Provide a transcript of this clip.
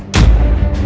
dan mencari bukti